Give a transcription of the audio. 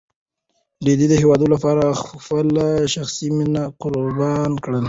رېدي د هېواد لپاره خپله شخصي مینه قربان کړه.